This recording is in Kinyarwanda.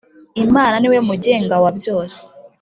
Imana niwe mugenga wabyose.